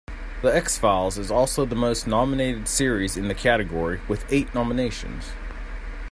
"The X-Files" is also the most nominated series in the category, with eight nominations.